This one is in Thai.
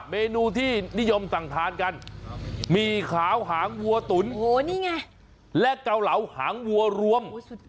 เมนูที่นิยมสั่งทานกันหมี่ขาวหางวัวตุ๋นนี่ไงและเกาเหลาหางวัวรวม